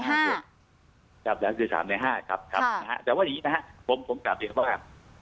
จับแล้วคือ๓ใน๕ครับแต่ว่าอย่างนี้นะครับผมกลับเรียกว่า